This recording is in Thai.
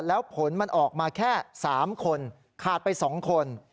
แล้วผลมันออกมาแค่๓คนขาดไป๒คน